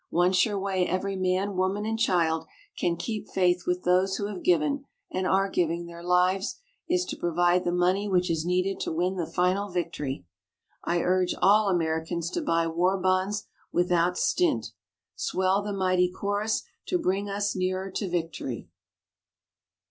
One sure way every man, woman, and child can keep faith with those who have given, and are giving, their lives, is to provide the money which is needed to win the final victory. I urge all Americans to buy war bonds without stint. Swell the mighty chorus to bring us nearer to victory!